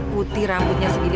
putih rambutnya segini